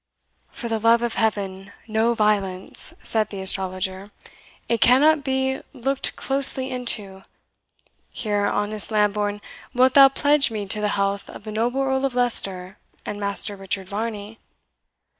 "For the love of Heaven, no violence!" said the astrologer. "It cannot but be looked closely into. Here, honest Lambourne, wilt thou pledge me to the health of the noble Earl of Leicester and Master Richard Varney?"